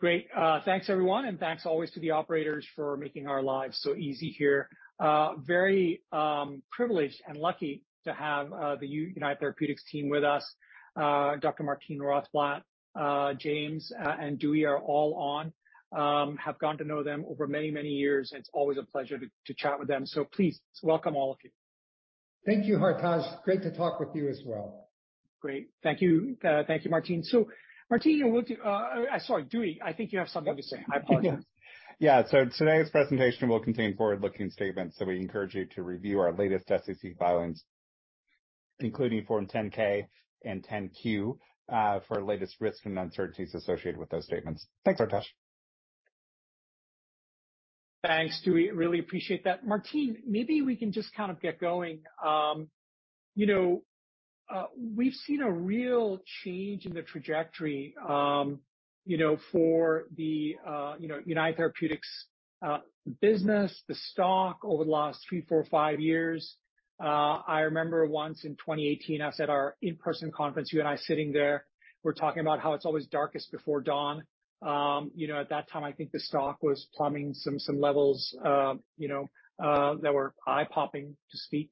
Great. Thanks everyone, and thanks always to the operators for making our lives so easy here. Very privileged and lucky to have the United Therapeutics team with us. Dr. Martine Rothblatt, James, and Dewey are all on. Have gotten to know them over many, many years, and it's always a pleasure to chat with them. Please welcome all of you. Thank you, Hartaj. Great to talk with you as well. Great. Thank you. Thank you, Martine. Martine, sorry, Dewey, I think you have something to say. I apologize. Yeah. Today's presentation will contain forward-looking statements. We encourage you to review our latest SEC filings, including Form 10-K and 10-Q, for latest risks and uncertainties associated with those statements. Thanks, Hartaj. Thanks, Dewey. Really appreciate that. Martine, maybe we can just kind of get going. You know, we've seen a real change in the trajectory, you know, for the United Therapeutics business, the stock over the last three to four, five years. I remember once in 2018, I was at our in-person conference, you and I sitting there. We're talking about how it's always darkest before dawn. You know, at that time, I think the stock was plumbing some levels, you know, that were eye-popping, to speak.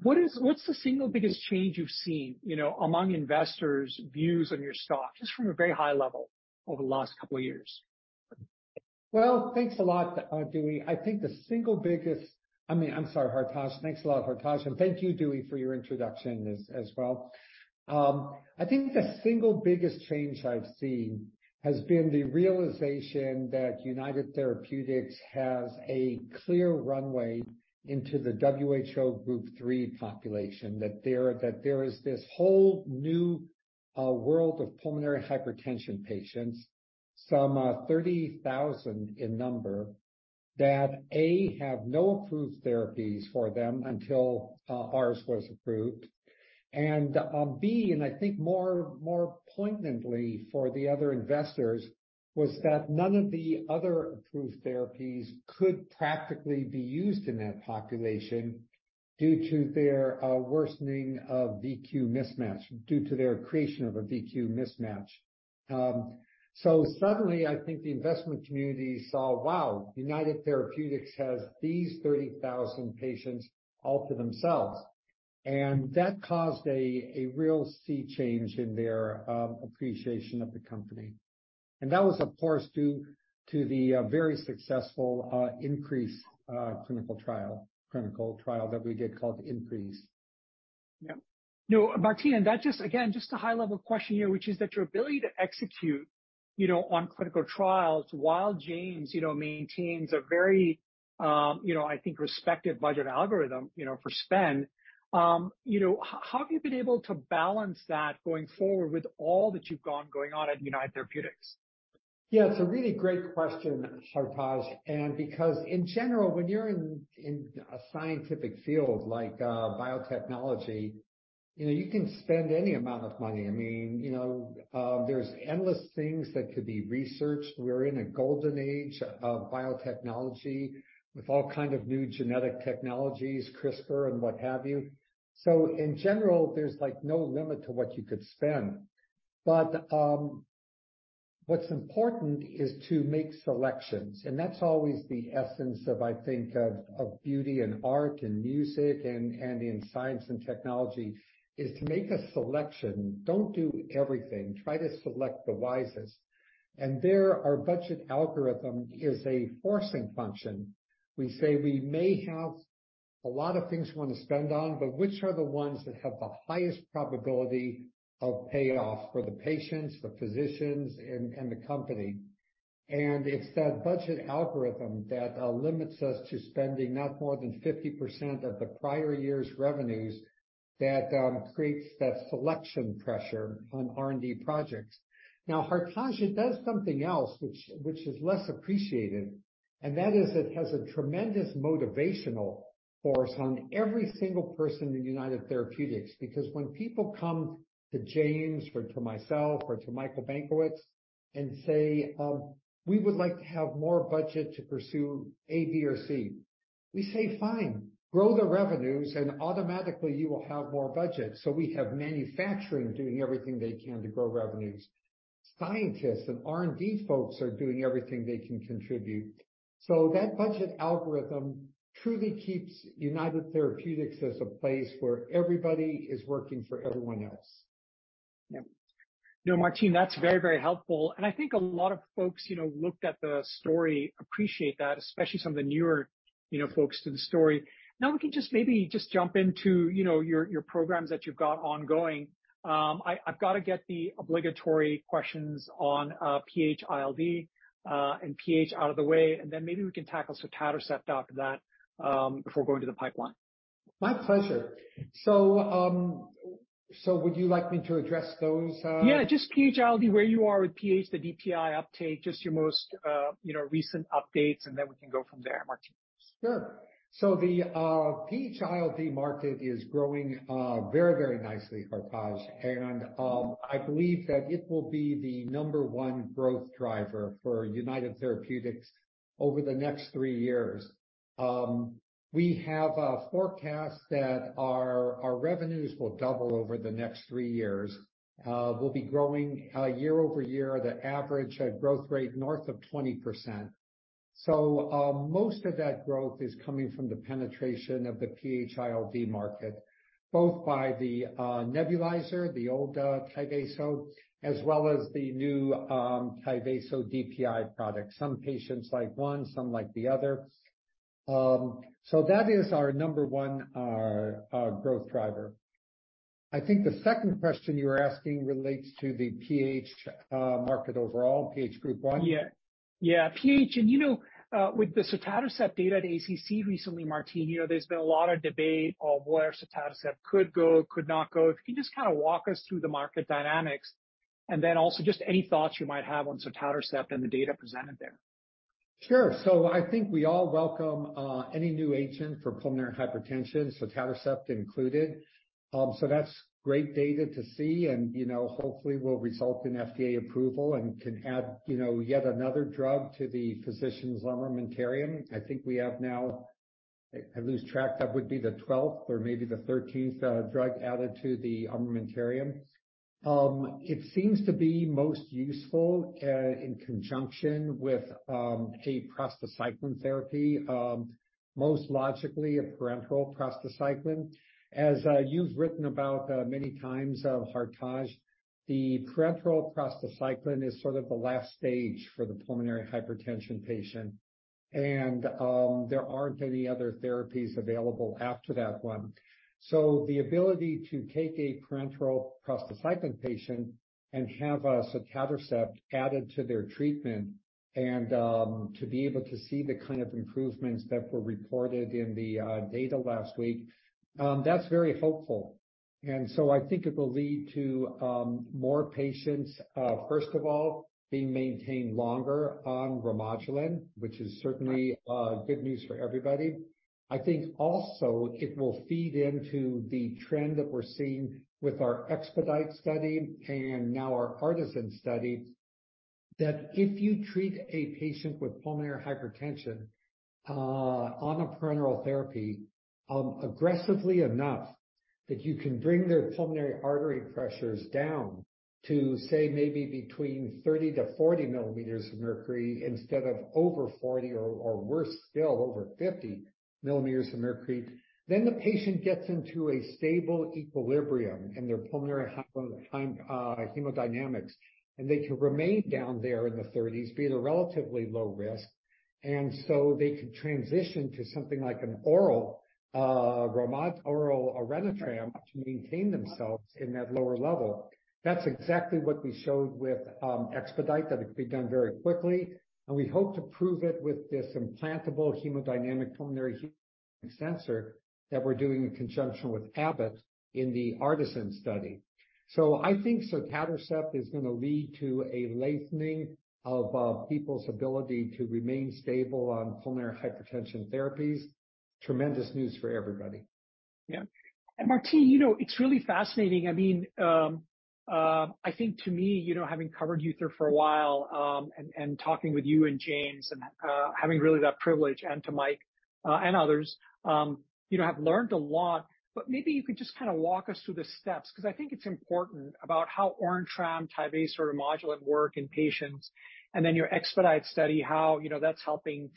What's the single biggest change you've seen, you know, among investors' views on your stock, just from a very high level over the last couple of years? Well, thanks a lot, Dewey. I think the single biggest... I mean, I'm sorry, Hartaj. Thanks a lot, Hartaj. Thank you, Dewey, for your introduction as well. I think the single biggest change I've seen has been the realization that United Therapeutics has a clear runway into the WHO Group 3 population, that there is this whole new world of pulmonary hypertension patients, some 30,000 in number, that, A, have no approved therapies for them until ours was approved. B, I think more poignantly for the other investors, was that none of the other approved therapies could practically be used in that population due to their worsening of V/Q mismatch, due to their creation of a V/Q mismatch. Suddenly, I think the investment community saw, wow, United Therapeutics has these 30,000 patients all to themselves. That caused a real sea change in their appreciation of the company. That was, of course, due to the very successful INCREASE Clinical Trial that we did called INCREASE. You know, Martine, that just again, just a high-level question here, which is that your ability to execute, you know, on clinical trials while James, you know, maintains a very, you know, I think, respected budget algorithm, you know, for spend. You know, have you been able to balance that going forward with all that you've got going on at United Therapeutics? Yeah, it's a really great question, Hartaj. Because in general, when you're in a scientific field like biotechnology, you know, you can spend any amount of money. I mean, you know, there's endless things that could be researched. We're in a golden age of biotechnology with all kind of new genetic technologies, CRISPR and what have you. In general, there's like no limit to what you could spend. What's important is to make selections, and that's always the essence of, I think of, beauty and art and music and in science and technology, is to make a selection. Don't do everything. Try to select the wisest. There, our budget algorithm is a forcing function. We say we may have a lot of things we want to spend on, but which are the ones that have the highest probability of payoff for the patients, the physicians, and the company. It's that budget algorithm that limits us to spending not more than 50% of the prior year's revenues that creates that selection pressure on R&D projects. Hartaj, it does something else which is less appreciated, and that is it has a tremendous motivational force on every single person in United Therapeutics. When people come to James or to myself or to Michael Benkowitz and say, "We would like to have more budget to pursue A, B, or C," we say, "Fine, grow the revenues, and automatically you will have more budget." We have manufacturing doing everything they can to grow revenues. Scientists and R&D folks are doing everything they can contribute. That budget algorithm truly keeps United Therapeutics as a place where everybody is working for everyone else. You know, Martine, that's very, very helpful. I think a lot of folks, you know, looked at the story appreciate that, especially some of the newer, you know, folks to the story. Now we can just maybe just jump into, you know, your programs that you've got ongoing. I've got to get the obligatory questions on PH-ILD and PH out of the way, and then maybe we can tackle sotatercept after that, before going to the pipeline. My pleasure. Would you like me to address those? Yeah, just PH-ILD, where you are with PH, the DPI uptake, just your most, you know, recent updates. We can go from there, Martine. Sure. The PH-ILD market is growing very, very nicely, Hartaj. I believe that it will be the number one growth driver for United Therapeutics over the next three years. We have a forecast that our revenues will double over the next three years. We'll be growing year-over-year at a average growth rate north of 20%. Most of that growth is coming from the penetration of the PH-ILD market, both by the nebulizer, the old Tyvaso, as well as the new Tyvaso DPI product. Some patients like one, some like the other. That is our number one growth driver. I think the second question you were asking relates to the PH market overall, PH Group 1. PH. You know, with the sotatercept data at ACC recently, Martin, you know, there's been a lot of debate on where sotatercept could go, could not go. If you can just kind of walk us through the market dynamics and then also just any thoughts you might have on sotatercept and the data presented there. Sure. I think we all welcome any new agent for pulmonary hypertension, sotatercept included. That's great data to see and, you know, hopefully will result in FDA approval and can add, you know, yet another drug to the physician's armamentarium. I think we have now I lose track. That would be the 12th or maybe the 13th drug added to the armamentarium. It seems to be most useful in conjunction with a prostacyclin therapy, most logically a parenteral prostacyclin. As you've written about many times, Hartaj, the parenteral prostacyclin is sort of the last stage for the pulmonary hypertension patient. There aren't any other therapies available after that one. The ability to take a parenteral prostacyclin patient and have a sotatercept added to their treatment and to be able to see the kind of improvements that were reported in the data last week, that's very hopeful. I think it will lead to more patients, first of all, being maintained longer on Remodulin, which is certainly good news for everybody. I think also it will feed into the trend that we're seeing with our EXPEDITE study and now our ARTISAN study, that if you treat a patient with pulmonary hypertension on a parenteral therapy aggressively enough that you can bring their pulmonary artery pressures down to, say, maybe between 30 to 40 millimeters of mercury instead of over 40 or worse still, over 50 millimeters of mercury, then the patient gets into a stable equilibrium in their pulmonary hemodynamics, and they can remain down there in the 30s being at a relatively low risk. They can transition to something like an oral Orenitram to maintain themselves in that lower level. That's exactly what we showed with EXPEDITE, that it could be done very quickly. We hope to prove it with this implantable hemodynamic pulmonary sensor that we're doing in conjunction with Abbott in the ARTISAN study. I think sotatercept is gonna lead to a lengthening of people's ability to remain stable on pulmonary hypertension therapies. Tremendous news for everybody. Yeah. Martine`, you know, it's really fascinating. I mean, I think to me, you know, having covered Uther for a while, talking with you and James and having really that privilege and to Mike and others, you know, I've learned a lot, maybe you could just kind of walk us through the steps because I think it's important about how Orenitram, Tyvaso or Remodulin work in patients and then your EXPEDITE study, how, you know, that's helping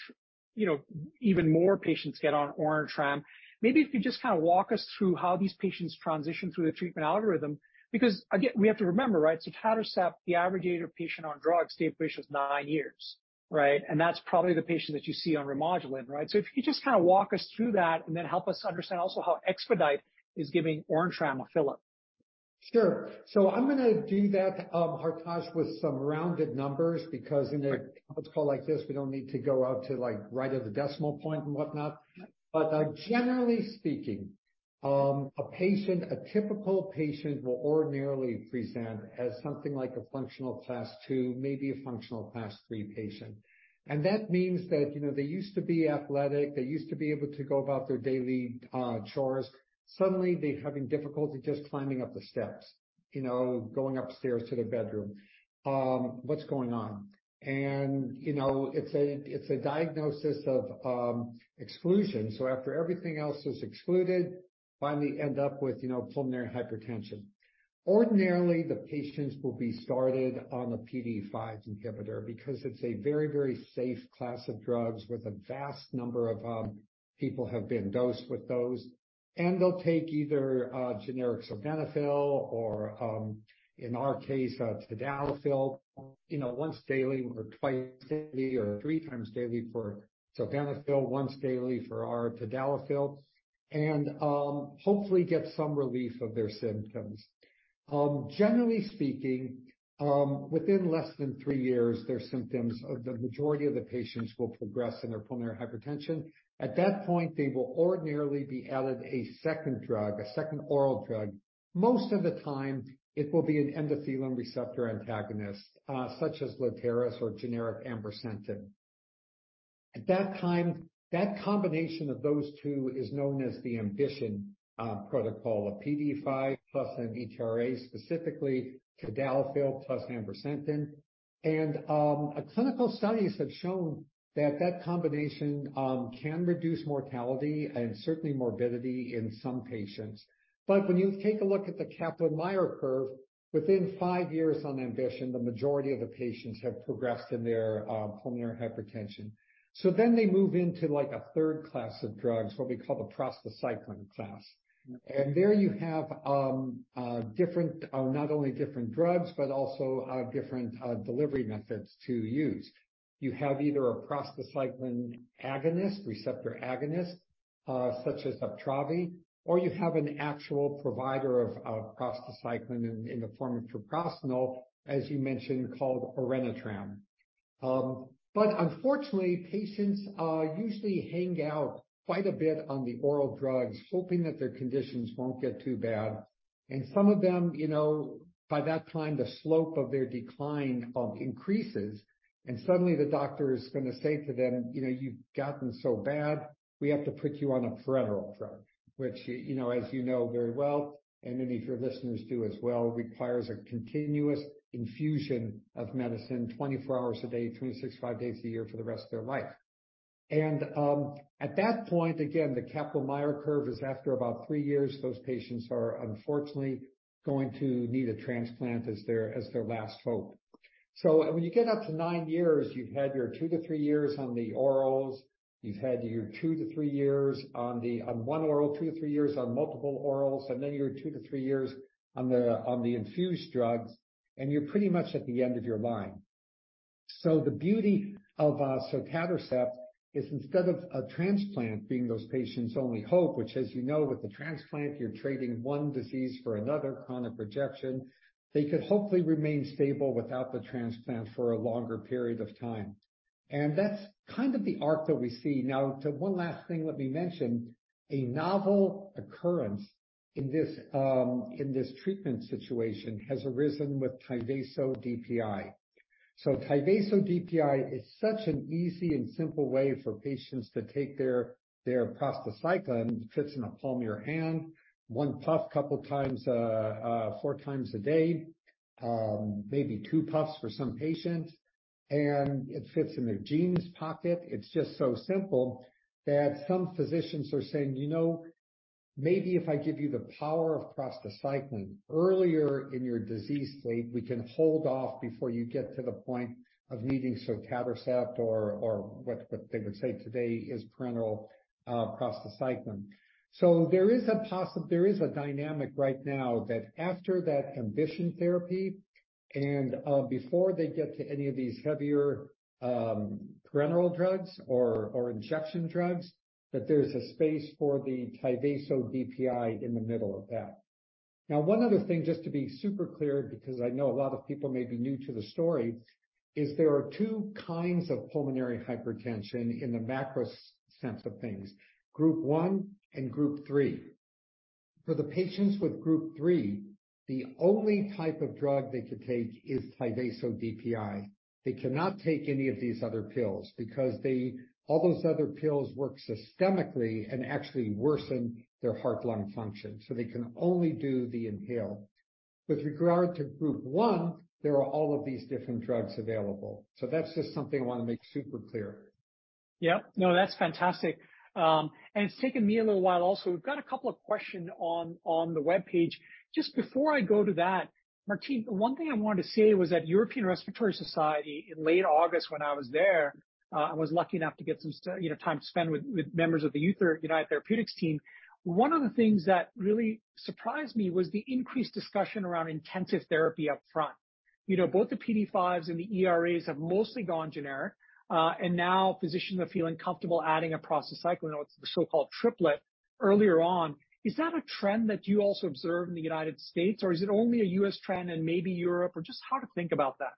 you know, even more patients get on Orenitram. Maybe if you just kind of walk us through how these patients transition through the treatment algorithm because again, we have to remember, right, sotatercept, the average age of a patient on drug stable was nine years, right? That's probably the patient that you see on Remodulin, right? If you could just kinda walk us through that and then help us understand also how EXPEDITE is giving Orenitram a fill-up. Sure. I'm gonna do that, Hartaj, with some rounded numbers because in a call like this, we don't need to go out to like right of the decimal point and whatnot. Generally speaking, a patient, a typical patient will ordinarily present as something like a functional class II, maybe a functional class III patient. That means that, you know, they used to be athletic. They used to be able to go about their daily chores. Suddenly, they're having difficulty just climbing up the steps, you know, going upstairs to their bedroom. What's going on? You know, it's a, it's a diagnosis of exclusion. After everything else is excluded, finally end up with, you know, pulmonary hypertension. Ordinarily, the patients will be started on a PDE5 inhibitor because it's a very, very safe class of drugs with a vast number of people have been dosed with those. They'll take either a generic sildenafil or, in our case, tadalafil, you know, once daily or twice daily or 3x daily for sildenafil, once daily for our tadalafil, and hopefully get some relief of their symptoms. Generally speaking, within less than three years, the majority of the patients will progress in their pulmonary hypertension. At that point, they will ordinarily be added a second drug, a second oral drug. Most of the time, it will be an endothelin receptor antagonist, such as Letairis or generic ambrisentan. At that time, that combination of those two is known as the AMBITION protocol of PDE5+ an ETRA, specifically tadalafil plus ambrisentan. Clinical studies have shown that that combination can reduce mortality and certainly morbidity in some patients. When you take a look at the Kaplan-Meier curve, within five years on AMBITION, the majority of the patients have progressed in their pulmonary hypertension. They move into like a third class of drugs, what we call the prostacyclin class. There you have different, not only different drugs, but also different delivery methods to use. You have either a prostacyclin agonist, receptor agonist, such as Uptravi, or you have an actual provider of prostacyclin in the form of treprostinil, as you mentioned, called Orenitram. Unfortunately, patients usually hang out quite a bit on the oral drugs, hoping that their conditions won't get too bad. Some of them, you know, by that time, the slope of their decline increases, and suddenly the doctor is going to say to them, "You know, you've gotten so bad, we have to put you on a parenteral drug," which, you know, as you know very well, and any of your listeners do as well, requires a continuous infusion of medicine 24 hours a day, 265 days a year for the rest of their life. At that point, again, the Kaplan-Meier curve is after about three years, those patients are unfortunately going to need a transplant as their, as their last hope. When you get up to nine years, you've had your two to three years on the orals, you've had your two to three years on one oral, two to three years on multiple orals, your two to three years on the infused drugs, you're pretty much at the end of your line. The beauty of sotatercept is instead of a transplant being those patients' only hope, which, as you know, with the transplant, you're trading one disease for another, chronic rejection. They could hopefully remain stable without the transplant for a longer period of time. That's kind of the arc that we see. Now to one last thing, let me mention. A novel occurrence in this treatment situation has arisen with Tyvaso DPI. Tyvaso DPI is such an easy and simple way for patients to take their prostacyclin. It fits in the palm of your hand, one puff couple times, 4x a day, maybe two puffs for some patients, and it fits in their jeans pocket. It's just so simple that some physicians are saying, "You know, maybe if I give you the power of prostacyclin earlier in your disease state, we can hold off before you get to the point of needing sotatercept or what they would say today is parenteral prostacyclin." There is a dynamic right now that after that Ambition therapy and before they get to any of these heavier parenteral drugs or injection drugs, that there's a space for the Tyvaso DPI in the middle of that. One other thing, just to be super clear, because I know a lot of people may be new to the story, is there are two kinds of pulmonary hypertension in the macro sense of things, Group 1 and Group 3. For the patients with Group 3, the only type of drug they could take is Tyvaso DPI. They cannot take any of these other pills because they all those other pills work systemically and actually worsen their heart-lung function, so they can only do the inhale. With regard to Group 1, there are all of these different drugs available. That's just something I want to make super clear. Yeah. No, that's fantastic. It's taken me a little while also. We've got a couple of questions on the webpage. Before I go to that, Martine, one thing I wanted to say was at European Respiratory Society in late August when I was there, I was lucky enough to get some you know, time to spend with members of the United Therapeutics team. One of the things that really surprised me was the increased discussion around intensive therapy up front. You know, both the PDE5s and the ERAs have mostly gone generic, and now physicians are feeling comfortable adding a prostacyclin or the so-called triplet earlier on. Is that a trend that you also observe in the United States, or is it only a U.S. trend and maybe Europe? Just how to think about that.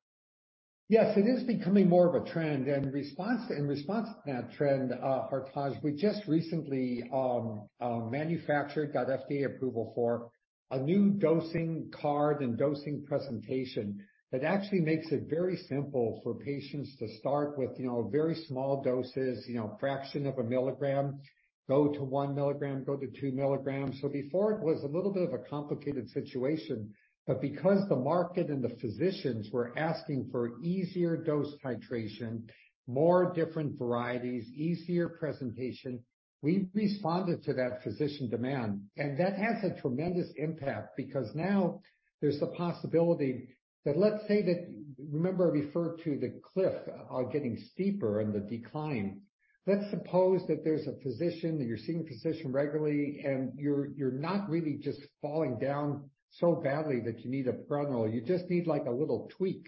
Yes, it is becoming more of a trend. In response to that trend, Hartaj, we just recently manufactured, got FDA approval for a new dosing card and dosing presentation that actually makes it very simple for patients to start with, you know, very small doses, you know, fraction of a milligram, go to 1mg, go to 2mg. Before it was a little bit of a complicated situation, but because the market and the physicians were asking for easier dose titration, more different varieties, easier presentation, we responded to that physician demand. That has a tremendous impact because now there's the possibility that let's say that... Remember I referred to the cliff, getting steeper and the decline. Let's suppose that there's a physician, you're seeing a physician regularly and you're not really just falling down so badly that you need a parenteral. You just need like a little tweak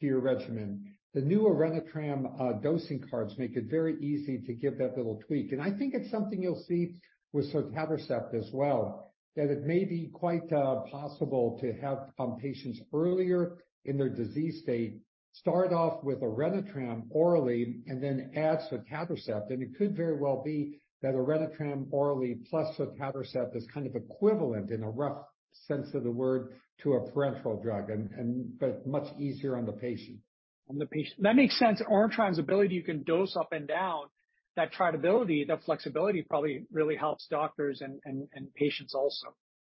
to your regimen. The new Orenitram dosing cards make it very easy to give that little tweak. I think it's something you'll see with sotatercept as well, that it may be quite possible to have patients earlier in their disease state start off with Orenitram orally and then add sotatercept. It could very well be that Orenitram orally plus sotatercept is kind of equivalent in a rough sense of the word to a parenteral drug and but much easier on the patient. On the patient. That makes sense. Orenitram's ability, you can dose up and down. That treatability, that flexibility probably really helps doctors and patients also.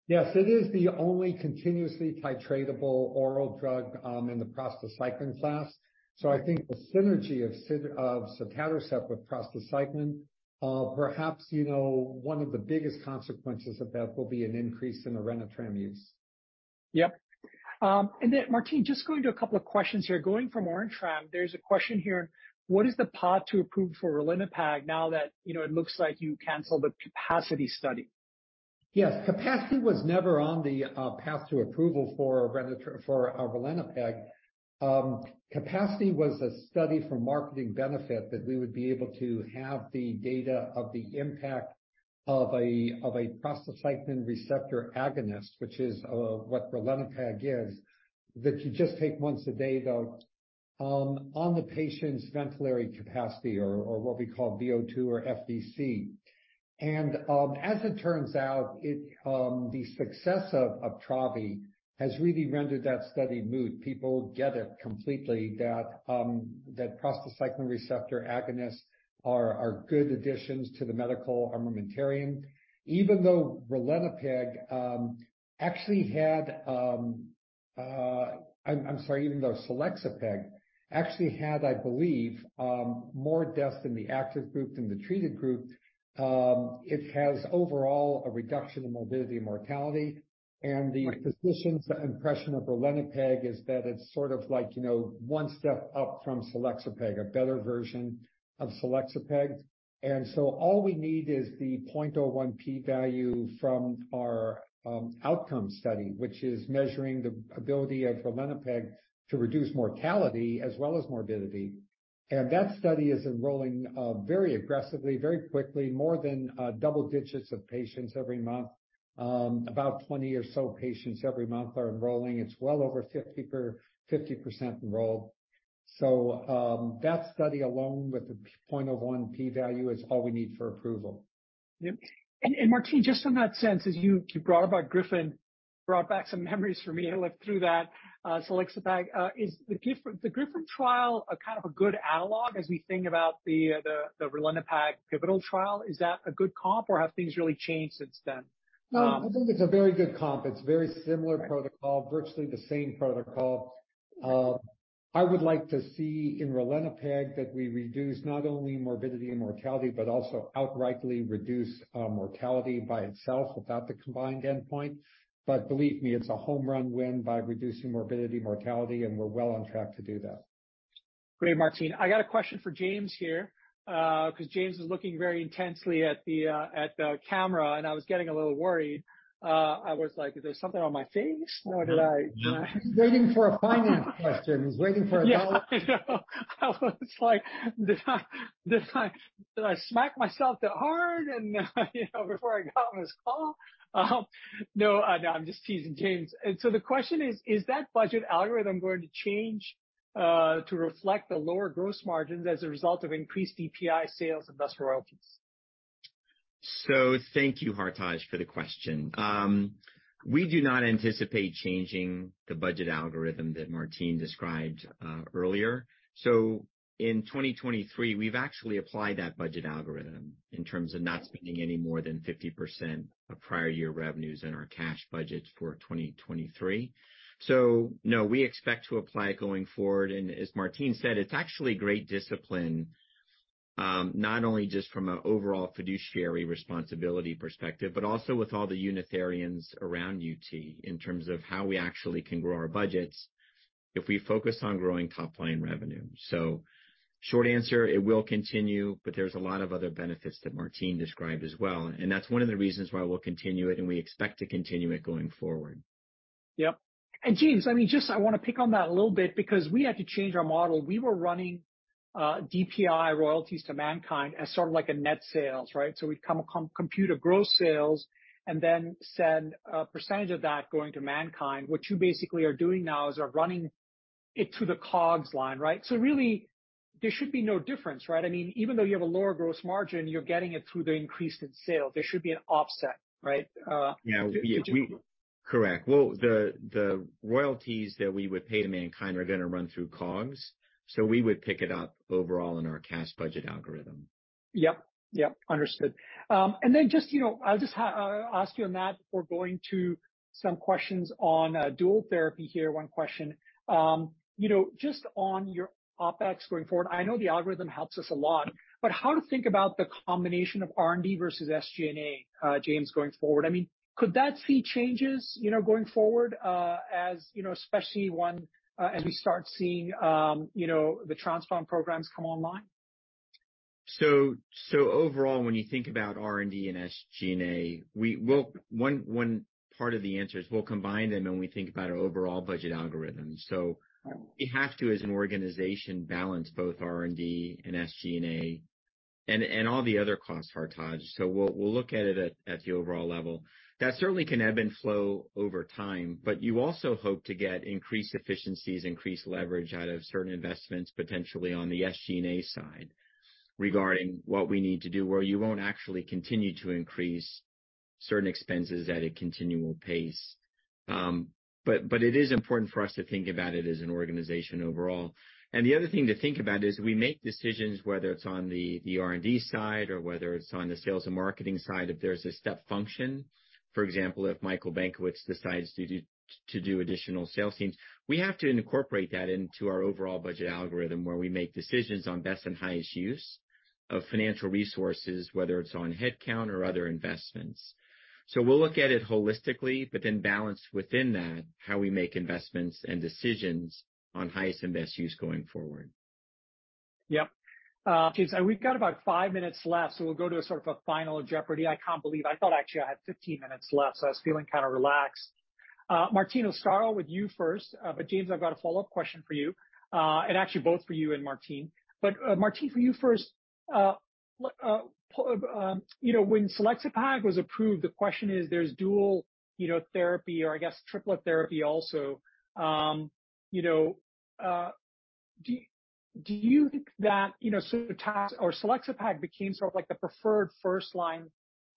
Yes, it is the only continuously titratable oral drug, in the prostacyclin class. I think the synergy of sotatercept with prostacyclin, perhaps, you know, one of the biggest consequences of that will be an increase in the Orenitram use. Yep. Martine, just going to a couple of questions here, going from Orenitram. There's a question here, what is the path to approve for ralinepag now that, you know, it looks like you canceled the CAPACITY study? Yes. CAPACITY was never on the path to approval for ralinepag. CAPACITY was a study for marketing benefit that we would be able to have the data of the impact of a prostacyclin receptor agonist, which is what ralinepag is, that you just take once a day, though, on the patient's ventilatory capacity or what we call VO2 or FVC. As it turns out, it the success of Tyvaso has really rendered that study moot. People get it completely that prostacyclin receptor agonists are good additions to the medical armamentarium. Even though ralinepag actually had, I'm sorry, even though selexipag actually had, I believe, more deaths in the active group than the treated group, it has overall a reduction in morbidity and mortality. The physician's impression of ralinepag is that it's sort of like, you know, one step up from selexipag, a better version of selexipag. All we need is the 0.01 P value from our outcome study, which is measuring the ability of ralinepag to reduce mortality as well as morbidity. That study is enrolling very aggressively, very quickly, more than double digits of patients every month. About 20 or so patients every month are enrolling. It's well over 50% enrolled. That study along with the 0.01 P value is all we need for approval. Yep. Martine, just in that sense, as you brought about GRIFFON, brought back some memories for me. I looked through that selexipag. Is the GRIFFON trial a kind of a good analog as we think about the ralinepag pivotal trial? Is that a good comp or have things really changed since then? No, I think it's a very good comp. It's very similar protocol, virtually the same protocol. I would like to see in ralinepag that we reduce not only morbidity and mortality, but also outrightly reduce mortality by itself without the combined endpoint. Believe me, it's a home run win by reducing morbidity, mortality, and we're well on track to do that. Great, Martine. I got a question for James here, 'cause James was looking very intensely at the, at the camera, and I was getting a little worried. I was like, "Is there something on my face or did I... He's waiting for a finance question. He's waiting for. Yeah, I know. I was like, did I smack myself that hard and, you know, before I got on this call? No. No, I'm just teasing, James. The question is: Is that budget algorithm going to change, to reflect the lower gross margins as a result of increased DPI sales and thus royalties? Thank you, Hartaj, for the question. We do not anticipate changing the budget algorithm that Martine described earlier. In 2023, we've actually applied that budget algorithm in terms of not spending any more than 50% of prior year revenues in our cash budget for 2023. No, we expect to apply it going forward. As Martine said, it's actually great discipline, not only just from an overall fiduciary responsibility perspective, but also with all the Unitarians around UT in terms of how we actually can grow our budgets if we focus on growing top-line revenue. Short answer, it will continue, but there's a lot of other benefits that Martine described as well, and that's one of the reasons why we'll continue it, and we expect to continue it going forward. Yep. James, I mean, just I wanna pick on that a little bit because we had to change our model. We were running DPI royalties to MannKind as sort of like a net sales, right? We'd compute a gross sales and then send a percentage of that going to MannKind. What you basically are doing now is are running it through the COGS line, right? Really, there should be no difference, right? I mean, even though you have a lower gross margin, you're getting it through the increase in sales. There should be an offset, right? Yeah. Correct. Well, the royalties that we would pay to MannKind are gonna run through COGS, so we would pick it up overall in our cash budget algorithm. Yep. Yep, understood. Just, you know, I'll just ask you on that before going to some questions on dual therapy here, one question. You know, just on your OpEx going forward, I know the algorithm helps us a lot, but how to think about the combination of R&D versus SG&A, James, going forward? I mean, could that see changes, you know, going forward, as, you know, especially when, as we start seeing, you know, the transplant programs come online? Overall, when you think about R&D and SG&A, we will. One part of the answer is we'll combine them when we think about our overall budget algorithm. We have to, as an organization, balance both R&D and SG&A and all the other costs, Hartaj. We'll look at it at the overall level. That certainly can ebb and flow over time, but you also hope to get increased efficiencies, increased leverage out of certain investments, potentially on the SG&A side regarding what we need to do, where you won't actually continue to increase certain expenses at a continual pace. But it is important for us to think about it as an organization overall. The other thing to think about is we make decisions, whether it's on the R&D side or whether it's on the sales and marketing side, if there's a step function. For example, if Michael Benkowitz decides to do additional sales teams, we have to incorporate that into our overall budget algorithm, where we make decisions on best and highest use of financial resources, whether it's on headcount or other investments. We'll look at it holistically, but then balance within that, how we make investments and decisions on highest and best use going forward. Yep. James, we've got about five minutes left, we'll go to a sort of a final jeopardy. I can't believe. I thought actually I had 15 minutes left, I was feeling kind of relaxed. Martine, I'll start with you first. James, I've got a follow-up question for you, actually both for you and Martine. Martine, for you first. You know, when selexipag was approved, the question is there's dual, you know, therapy or I guess triplet therapy also, you know, do you think that, you know, sotatercept or selexipag became sort of like the preferred first line,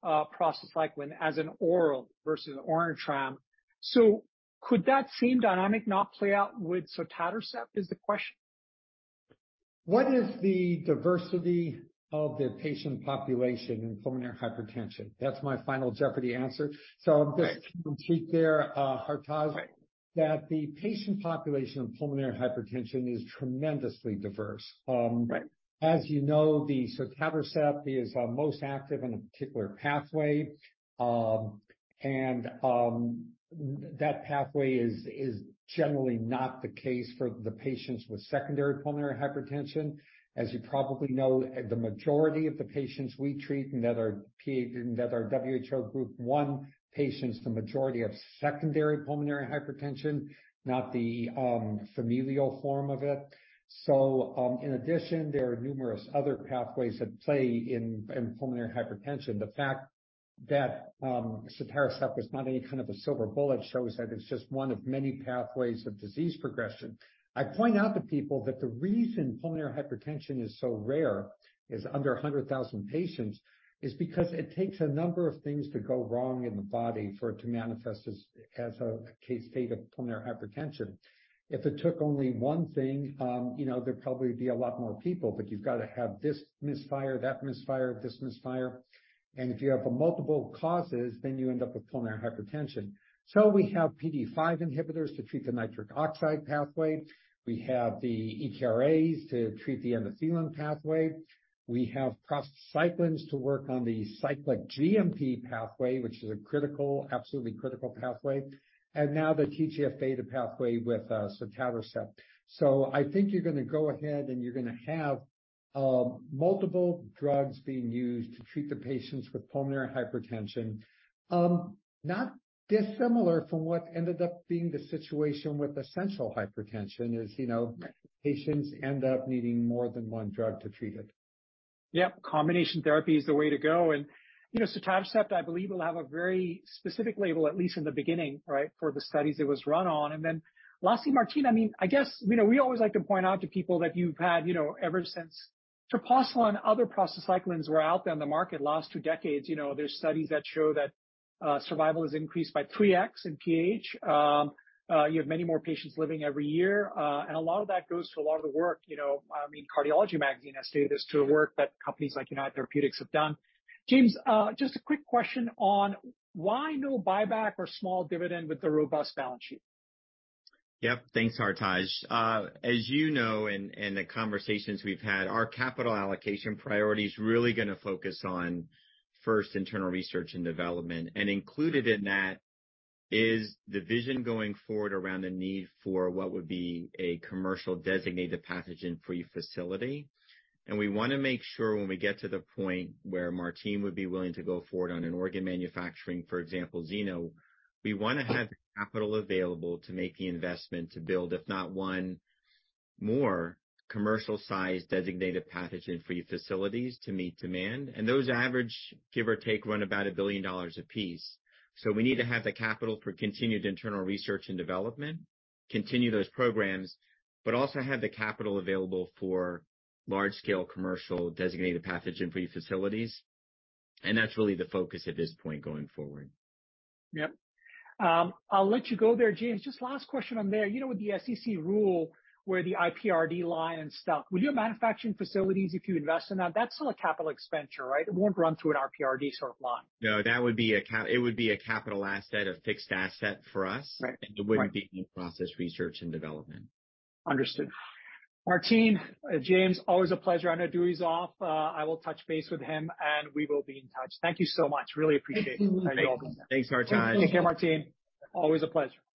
prostacyclin as an oral versus Orenitram? Could that same dynamic not play out with sotatercept is the question? What is the diversity of the patient population in pulmonary hypertension? That's my final jeopardy answer. Right. I'm just going to cheat there, Hartaj. Right. That the patient population of pulmonary hypertension is tremendously diverse. Right. As you know, the sotatercept is most active in a particular pathway. That pathway is generally not the case for the patients with secondary pulmonary hypertension. As you probably know, the majority of the patients we treat and that are PH that are WHO Group 1 patients, the majority have secondary pulmonary hypertension, not the familial form of it. In addition, there are numerous other pathways at play in pulmonary hypertension. The fact that sotatercept was not any kind of a silver bullet shows that it's just one of many pathways of disease progression. I point out to people that the reason pulmonary hypertension is so rare, is under 100,000 patients, is because it takes a number of things to go wrong in the body for it to manifest as a case fate of pulmonary hypertension. If it took only one thing, you know, there'd probably be a lot more people, but you've got to have this misfire, that misfire, this misfire. If you have multiple causes, then you end up with pulmonary hypertension. We have PDE5 inhibitors to treat the nitric oxide pathway. We have the ERAs to treat the endothelin pathway. We have prostacyclins to work on the cyclic GMP pathway, which is a critical, absolutely critical pathway. Now the TGF-beta pathway with sotatercept. I think you're gonna go ahead, and you're gonna have multiple drugs being used to treat the patients with pulmonary hypertension. Not dissimilar from what ended up being the situation with essential hypertension is, you know. Right... Patients end up needing more than one drug to treat it. Yep. Combination therapy is the way to go. You know, sotatercept, I believe, will have a very specific label, at least in the beginning, right, for the studies it was run on. Lastly, Martine, I mean, I guess, you know, we always like to point out to people that you've had, you know, ever since Treprostinil and other prostacyclins were out there on the market the last two decades, you know, there's studies that show that survival has increased by 3x in PH. You have many more patients living every year. A lot of that goes to a lot of the work, you know. I mean, Cardiology Magazine has stated this to a work that companies like United Therapeutics have done. James, just a quick question on why no buyback or small dividend with the robust balance sheet? Yep. Thanks, Hartaj. As you know, in the conversations we've had, our capital allocation priority is really gonna focus on first internal research and development. Included in that is the vision going forward around the need for what would be a commercial designated pathogen-free facility. We wanna make sure when we get to the point where Martine would be willing to go forward on an organ manufacturing, for example, xeno, we wanna have capital available to make the investment to build, if not one, more commercial size designated pathogen-free facilities to meet demand. Those average, give or take, run about $1 billion a piece. We need to have the capital for continued internal research and development, continue those programs, but also have the capital available for large scale commercial designated pathogen-free facilities. That's really the focus at this point going forward. Yep. I'll let you go there, James. Just last question on there. You know, with the SEC rule where the IPRD line and stuff, will you have manufacturing facilities if you invest in that? That's not a capital expenditure, right? It won't run through an IPRD sort of line. No, that would be a capital asset, a fixed asset for us. Right. It wouldn't be in process research and development. Understood. Martine, James, always a pleasure. I know Dewey's off. I will touch base with him, we will be in touch. Thank you so much. Really appreciate it. Thank you. Thanks. Thanks, Hartaj. Take care, Martine. Always a pleasure.